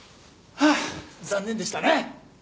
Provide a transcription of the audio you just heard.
はあ残念でしたね！